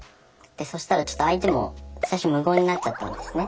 そしたらちょっと相手も最初無言になっちゃったんですね。